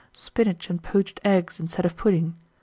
Spinach and poached eggs instead of pudding.